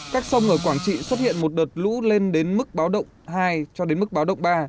các sông ở quảng trị xuất hiện một đợt lũ lên đến mức báo động hai cho đến mức báo động ba